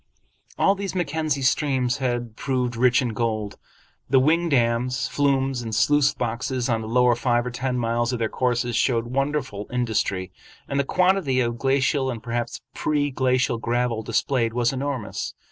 All these Mackenzie streams had proved rich in gold. The wing dams, flumes, and sluice boxes on the lower five or ten miles of their courses showed wonderful industry, and the quantity of glacial and perhaps pre glacial gravel displayed was enormous.